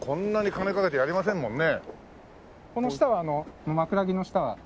この下は枕木の下は。